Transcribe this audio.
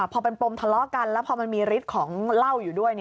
พอเป็นปมทะเลาะกันแล้วพอมันมีฤทธิ์ของเหล้าอยู่ด้วย